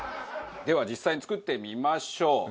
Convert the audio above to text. では実際に作ってみましょう。